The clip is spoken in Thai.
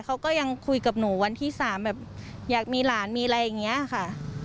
เขาก็ยังคุยกับหนูวันที่๓แบบอยากมีหลานมีอะไรอย่างนี้ค่ะ